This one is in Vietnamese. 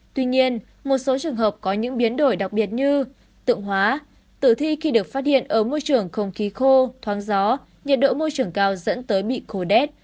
tuy nhiên một số trường hợp có những biến đổi đặc biệt như tượng hóa tử thi khi được phát hiện ở môi trường không khí khô thoáng gió nhiệt độ môi trường cao dẫn tới bị khô đét